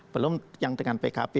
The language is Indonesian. belum yang dengan pkp